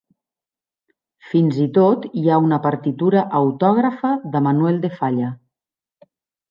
Fins i tot hi ha una partitura autògrafa de Manuel de Falla.